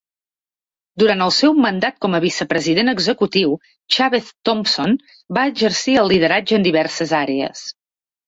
Durant el seu mandat com a vicepresident executiu, Chavez-Thompson va exercir el lideratge en diverses àrees.